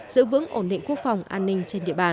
giữ vững ổn định quốc phòng an ninh trên địa bàn